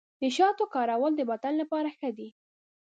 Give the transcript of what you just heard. د شاتو کارول د بدن لپاره ښه دي.